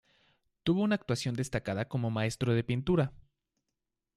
Tuvo una actuación destacada como maestro de pintura.